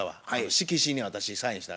色紙に私サインした。